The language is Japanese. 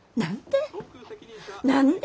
何で？